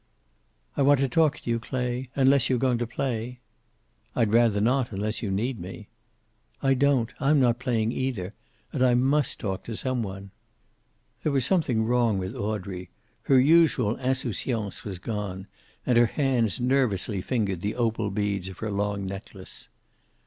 "I want to talk to you, Clay. Unless you're going to play." "I'd rather not, unless you need me." "I don't. I'm not playing either. And I must talk to some one." There was something wrong with Audrey. Her usual insouciance was gone, and her hands nervously fingered the opal beads of her long necklace.